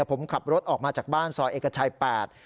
ผมขับรถออกมาจากบ้านซอยเอกชัยแปด